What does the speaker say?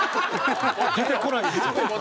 出てこないです。